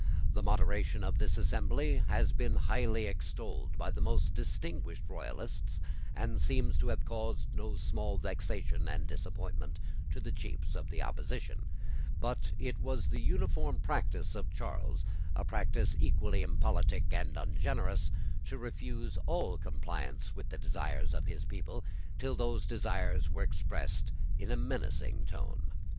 The moderation of this assembly has been highly extolled by the most distinguished Royalists and seems to have caused no small vexation and disappointment to the chiefs of the opposition: but it was the uniform practice of Charles, a practice equally impolitic and ungenerous, to refuse all compliance with the desires of his people, till those desires were expressed in a menacing tone.